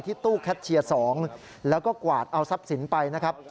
ตู้แคทเชียร์๒แล้วก็กวาดเอาทรัพย์สินไปนะครับ